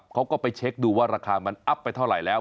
เขาก็ไปเช็คดูว่าราคามันอัพไปเท่าไหร่แล้ว